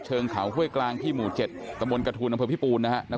เชิงเขาเฮ้ยกลางที่หมู่๗ตระบวนกระทูลนำเผื่อพี่ปูนนะครับ